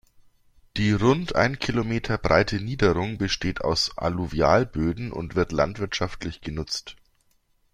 Die rund ein Kilometer breite Niederung besteht aus Alluvialböden und wird landwirtschaftlich genutzt.